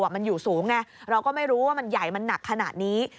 มันอยู่สูงไงเราก็ไม่รู้ว่ามันใหญ่มันหนักขนาดนี้